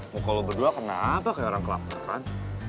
muka lo berdua kenapa kayak orang kelaparan